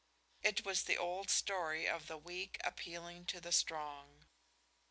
It was the old story of the weak appealing to the strong.